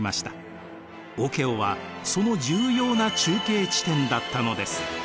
オケオはその重要な中継地点だったのです。